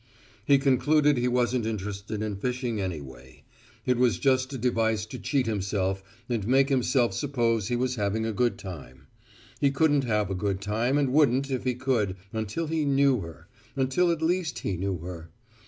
He concluded he wasn't interested in fishing anyway. It was just a device to cheat himself and make himself suppose he was having a good time. He couldn't have a good time and wouldn't if he could, until he knew her, until at least he knew her.